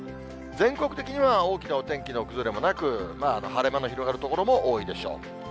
全国的には大きなお天気の崩れもなく、晴れ間の広がる所も多いでしょう。